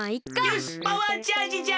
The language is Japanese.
よしパワーチャージじゃ！